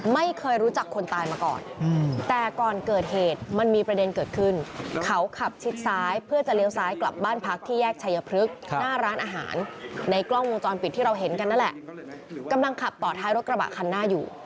ไม่เคยรู้จักคนตายมาก่อนแต่ก่อนเกิดเหตุมันมีประเด็นเกิดขึ้นเขาขับชิดซ้ายเพื่อจะเลี้ยวซ้ายกลับบ้านพักที่แยกชัยพฤกษ์หน้าร้านอาหารในกล้องวงจรปิดที่เราเห็นกันนั่นแหละกำลังขับต่อท้ายรถกระบะคันหน้าอยู่